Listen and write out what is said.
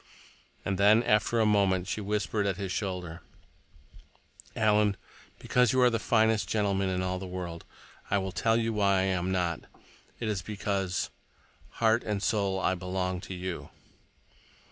And then, after a moment, she whispered at his shoulder: "Alan, because you are the finest gentleman in all the world, I will tell you why I am not. It is because—heart and soul—I belong to you."